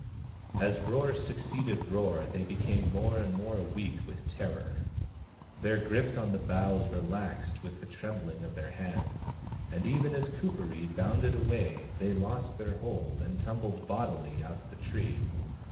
As roar succeeded roar they became more and more weak with terror. Their grip on the boughs relaxed with the trembling of their hands, and even as Kuperee bounded away they lost their hold and tumbled bodily out of the tree.